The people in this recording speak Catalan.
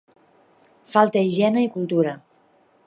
Falta higiene i cultura.